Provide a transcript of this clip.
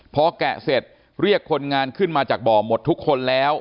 พอแกะเสร็จเรียกคนงานขึ้นมาจากบ่อหมดทุกคนแล้ว